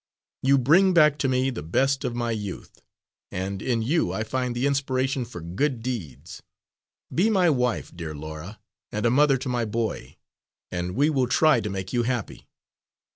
You bring back to me the best of my youth, and in you I find the inspiration for good deeds. Be my wife, dear Laura, and a mother to my boy, and we will try to make you happy."